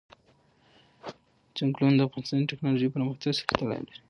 ځنګلونه د افغانستان د تکنالوژۍ پرمختګ سره تړاو لري.